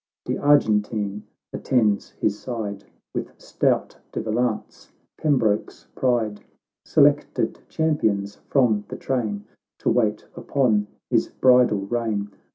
De Argentine attends his side, "With stout De Valence, Pembroke's pride, Selected champions from the train, To wait upon his bridle rein.